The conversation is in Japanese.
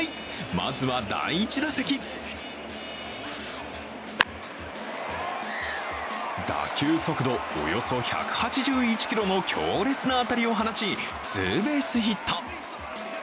まずは第１打席打球速度、およそ１８１キロの強烈な当たりを放ちツーベースヒット。